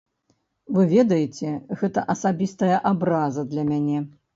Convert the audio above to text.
Вы ведаеце, гэта асабістая абраза для мяне.